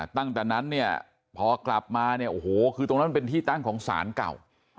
ตั้งแต่นั้นเนี่ยพอกลับมาเนี่ยโอ้โหคือตรงนั้นมันเป็นที่ตั้งของศาลเก่า